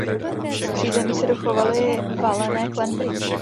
V přízemí se dochovaly valené klenby.